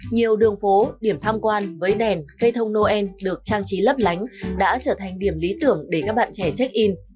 nhiều đường phố điểm tham quan với đèn cây thông noel được trang trí lấp lánh đã trở thành điểm lý tưởng để các bạn trẻ check in